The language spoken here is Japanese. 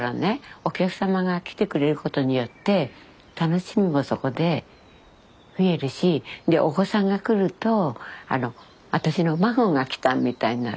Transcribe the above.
お客様が来てくれることによって楽しみもそこで増えるしでお子さんが来ると私の孫が来たみたいになるじゃないですか。